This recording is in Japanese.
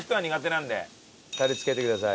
タレつけてください。